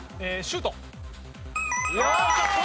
『シュート！』。